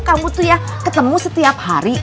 kamu tuh ya ketemu setiap hari